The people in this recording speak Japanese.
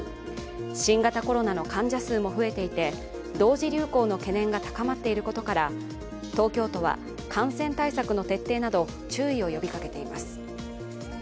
新型コロナの患者数も増えていて同時流行の懸念が高まっていることから東京都は感染対策の徹底など注意を呼びかけています。